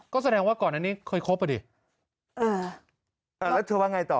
ก็แสดงว่าก่อนอันนี้เคยคบอ่ะดิอ่าแล้วเธอว่าไงต่อ